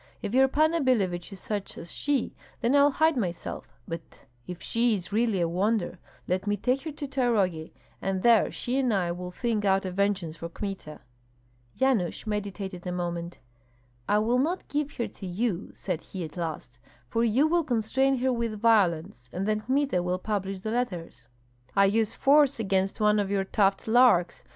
If your Panna Billevich is such as she, then I'll hide myself; but if she is really a wonder, let me take her to Tanrogi, and there she and I will think out a vengeance for Kmita." Yanush meditated a moment. "I will not give her to you," said he at last, "for you will constrain her with violence, and then Kmita will publish the letters." "I use force against one of your tufted larks!